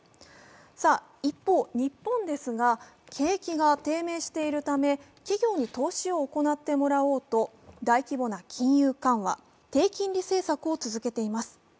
一方、日本ですが、景気が低迷しているため企業に投資を行ってもらおうと、大規模な金融緩和、低金利政策を続けています。